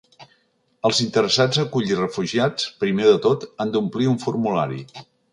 Els interessats a acollir refugiats, primer de tot, han d’omplir un formulari.